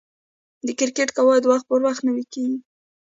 د کرکټ قواعد وخت پر وخت نوي کیږي.